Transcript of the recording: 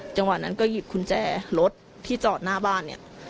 จังหวะนั้นก็หยิบกุญแจรถที่จอดหน้าบ้านเนี่ย